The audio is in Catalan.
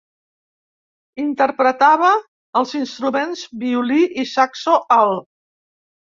Interpretava els instruments Violí i Saxo alt.